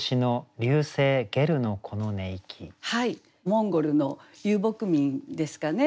モンゴルの遊牧民ですかね。